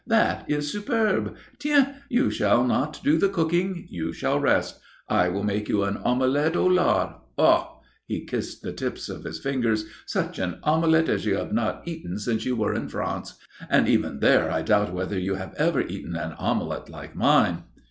"That is superb. Tiens! you shall not do the cooking. You shall rest. I will make you an omelette au lard ah!" he kissed the tips of his fingers "such an omelette as you have not eaten since you were in France and even there I doubt whether you have ever eaten an omelette like mine."